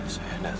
saya enggak tahu